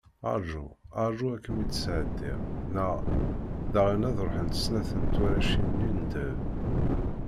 Arǧu, arǧu ad kem-id-sɛeddiɣ, neɣ daɣen ad ruḥent snat n twaracin-nni n ddheb.